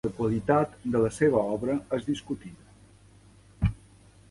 La qualitat de la seva obra és discutida.